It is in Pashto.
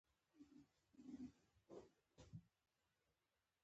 که خیاط دا جامې په اتو ساعتونو کې وګنډي.